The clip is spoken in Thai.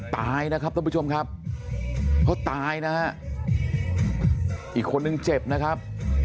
ตายนะครับท่านผู้ชมครับเขาตายนะฮะอีกคนนึงเจ็บนะครับ